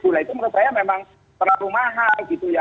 nah itu menurut saya memang terlalu mahal gitu ya